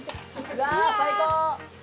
うわー最高！